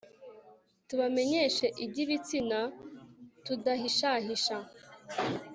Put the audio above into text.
tubamenyeshe iby'ibitsina tudahishahisha